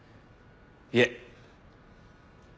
いえ。